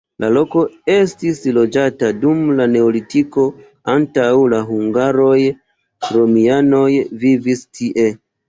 La loko estis loĝata dum la neolitiko, antaŭ la hungaroj romianoj vivis tie.